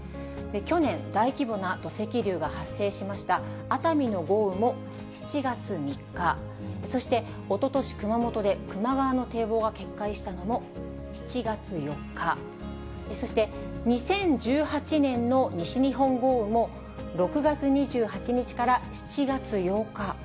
去年、大規模な土石流が発生しました熱海の豪雨も７月３日、そしておととし、熊本で球磨川の堤防が決壊したのも７月４日、そして２０１８年の西日本豪雨も、６月２８日から７月８日。